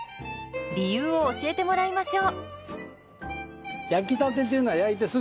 理由を教えてもらいましょう。